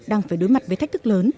đang phải đối mặt với thách thức lớn